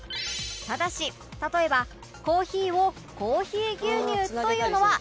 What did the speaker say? ただし例えば「コーヒー」を「コーヒー牛乳」と言うのは ＮＧ！